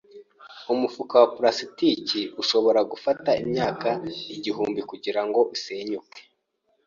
Umufuka wa pulasitike urashobora gufata imyaka igihumbi kugirango usenyuke. )